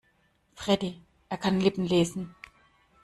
Freddie, er kann Lippen lesen.